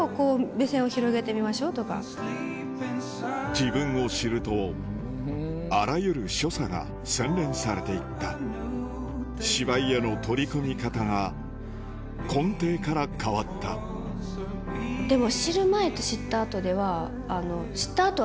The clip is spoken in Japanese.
自分を知るとあらゆる所作が洗練されていった芝居への取り組み方が根底から変わったでも。